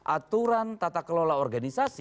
aturan tata kelola organisasi